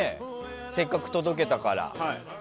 せっかく届けたから。